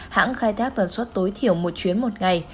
hãng khai thác tần suất tối thiểu một chuyến một ngày